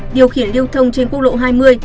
điều khiển liêu thông trên quốc lộ hai mươi